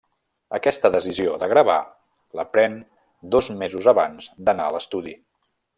Aquesta decisió de gravar, la pren dos mesos abans d'anar a l'estudi.